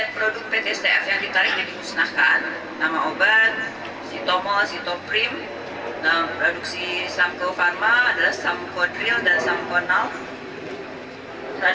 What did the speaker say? pertama produk pt cf yang dikali kali dikhusnahkan